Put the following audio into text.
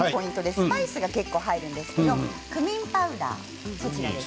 スパイスが結構入るんですけれどもクミンパウダー